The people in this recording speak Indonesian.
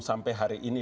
sampai hari ini